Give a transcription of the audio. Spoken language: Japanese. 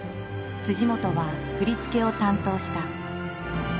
本は振り付けを担当した。